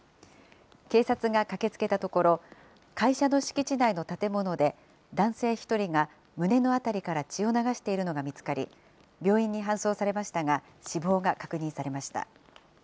警察が駆けつけたところ、会社の敷地内の建物で、男性１人が胸の辺りから血を流しているのが見つかり、病院に搬送されましたが、死亡が確認されました。